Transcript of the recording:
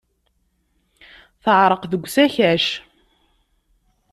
Teɛreq deg usakac.